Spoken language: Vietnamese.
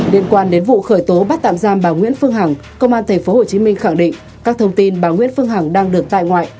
liên quan đến vụ khởi tố bắt tạm giam bà nguyễn phương hằng công an tp hcm khẳng định các thông tin bà nguyễn phương hằng đang được tại ngoại